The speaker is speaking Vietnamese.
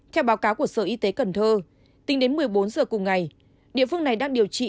theo báo cáo của sở y tế cần thơ tính đến một mươi bốn giờ cùng ngày địa phương này đang điều trị